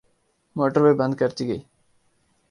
Motorway بند کردی گئی۔